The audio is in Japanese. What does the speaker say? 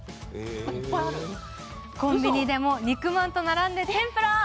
コンビニでも肉まんと並んで天ぷら。